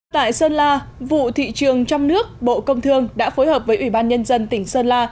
tại sơn la vụ thị trường trong nước bộ công thương đã phối hợp với ủy ban nhân dân tỉnh sơn la